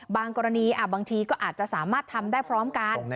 กรณีบางทีก็อาจจะสามารถทำได้พร้อมกัน